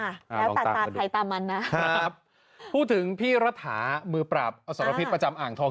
แล้วแต่ตาใครตามมันนะครับพูดถึงพี่รัฐามือปราบอสรพิษประจำอ่างทอง